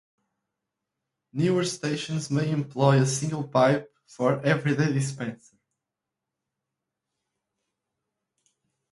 Newer stations may employ a single pipe for every dispenser.